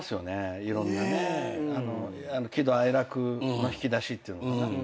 喜怒哀楽の引き出しっていうのかな。